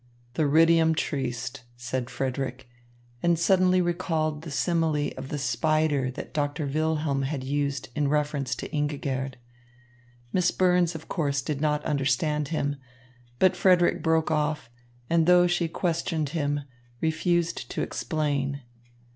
"Theridium triste," said Frederick and suddenly recalled the simile of the spider that Doctor Wilhelm had used in reference to Ingigerd. Miss Burns, of course, did not understand him; but Frederick broke off, and though she questioned him, refused to explain.